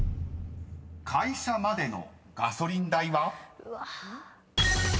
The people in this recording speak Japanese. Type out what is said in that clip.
［会社までのガソリン代は？］